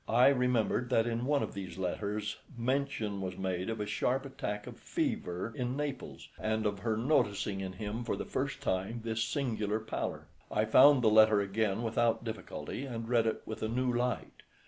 I remembered that in one of these letters mention was made of a sharp attack of fever in Naples, and of her noticing in him for the first time this singular pallor. I found the letter again without difficulty and read it with a new light.